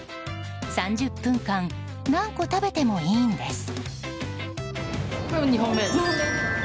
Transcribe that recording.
３０分間何個食べてもいいんです。